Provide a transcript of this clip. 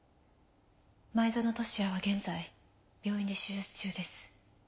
前薗俊哉は現在病院で手術中です。